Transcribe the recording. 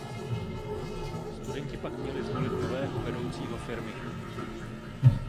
Studenti pak měli zvolit nového vedoucího firmy.